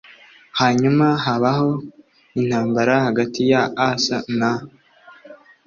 Hanyuma habaho intambara hagati ya Asa na